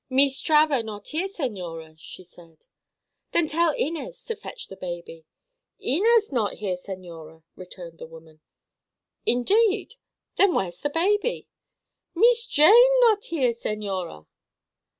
"Mees Traver not here, señora," she said. "Then tell Inez to fetch the baby." "Inez not here, señora," returned the woman. "Indeed! Then where is baby?" "Mees Jane not here, señora."